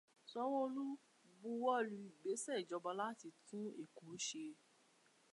Sanwó-Olu buwọ́lu ìgbésẹ̀ ìjọba láti tún Èkó ṣe.